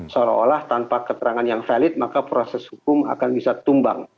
seolah olah tanpa keterangan yang valid maka proses hukum akan bisa tumbang